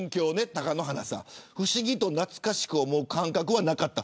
貴乃花さん、不思議と懐かしく思う感覚はなかった。